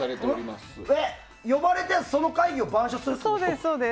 呼ばれてその会議を板書するということ？